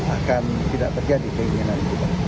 akan tidak terjadi keindahan kita